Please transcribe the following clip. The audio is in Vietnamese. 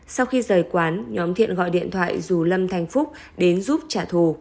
sau khi rời quán nhóm thiện gọi điện thoại rủ lâm thành phúc đến giúp trả thù